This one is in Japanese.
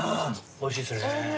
おいしいですね。